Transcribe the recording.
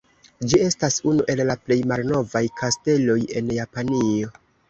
Ĝi estas unu el la plej malnovaj kasteloj en Japanio.